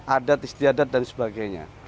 adat istiadat dan sebagainya